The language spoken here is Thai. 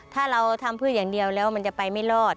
ถ้าเราทำพืชอย่างเดียวแล้วมันจะไปไม่รอด